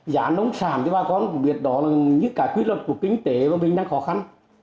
giá nông sản thì bà con cũng biết đó là những cái quyết luật của kinh tế và bình đăng khó khăn